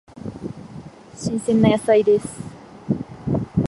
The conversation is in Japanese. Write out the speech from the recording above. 新鮮な野菜です。